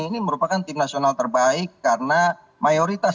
ini merupakan tim nasional terbaik karena mayoritas